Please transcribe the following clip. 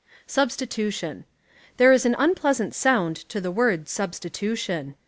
12 Substitution There is an unpleasant sound to tlie word substitution.